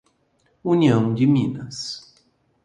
União de Minas